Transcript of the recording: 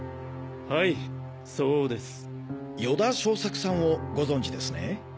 はいそうです。与田昌作さんをご存知ですね？